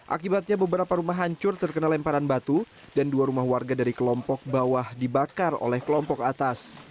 akibatnya beberapa rumah hancur terkena lemparan batu dan dua rumah warga dari kelompok bawah dibakar oleh kelompok atas